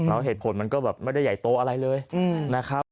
แล้วเหตุผลมันก็แบบไม่ได้ใหญ่โตอะไรเลยนะครับ